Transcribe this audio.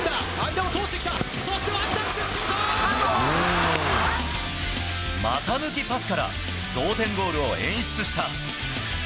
間を通してきた、股抜きパスから、同点ゴールを演出した。